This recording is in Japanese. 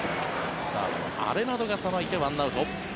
サード、アレナドがさばいて１アウト。